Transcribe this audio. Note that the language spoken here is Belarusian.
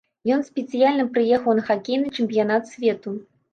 Ён спецыяльна прыехаў на хакейны чэмпіянат свету.